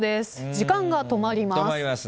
時間が止まります。